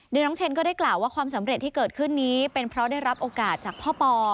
โดยน้องเชนก็ได้กล่าวว่าความสำเร็จที่เกิดขึ้นนี้เป็นเพราะได้รับโอกาสจากพ่อปอ